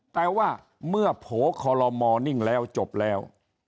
แต่ว่าเมื่อโผล่คอลโลมอนิ่งแล้วจบแล้ว